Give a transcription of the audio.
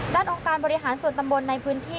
องค์การบริหารส่วนตำบลในพื้นที่